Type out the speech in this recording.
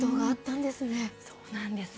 そうなんですよ。